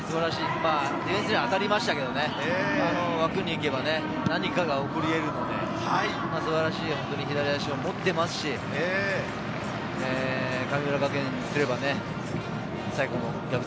ディフェンスには当たりましたけれど、枠に行けば、何かが起こり得るので、素晴らしい左足を持っていますし、神村学園にすれば逆転。